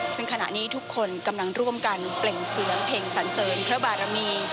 ซึ่งขณะนี้ทุกคนกำลังร่วมกันเปล่งเสียงเพลงสันเสริญพระบารมี